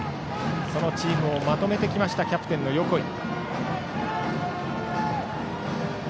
そのチームをまとめてきましたキャプテンの横井。